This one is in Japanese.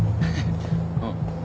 うん。